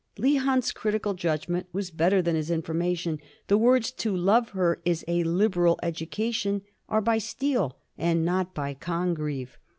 ' Leigh Hunt's critical judgment was better than his information. The words ^ to love her is a liberal education ' are by Steele, and not by Congreve.